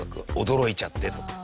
驚いちゃってとか。